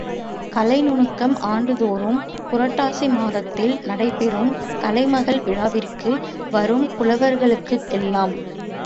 கலை நுணுக்கம் ஆண்டுதோறும் புரட்டாசி மாதத்தில் நடைபெறும் கலைமகள் விழாவிற்கு வரும் புலவர்களுக்குக்கெல்லாம்.